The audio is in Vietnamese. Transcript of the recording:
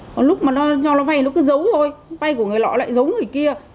còn lúc mà nó cho nó vay nó cứ giấu thôi vay của người lọ lại giống người kia